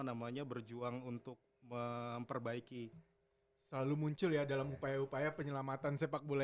namanya berjuang untuk memperbaiki selalu muncul ya dalam upaya upaya penyelamatan sepak bola